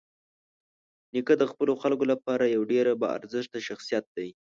نیکه د خپلو خلکو لپاره یوه ډېره باارزښته شخصيت دی.